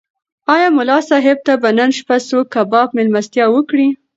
ایا ملا صاحب ته به نن شپه څوک کباب مېلمستیا وکړي؟